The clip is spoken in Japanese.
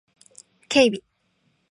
警備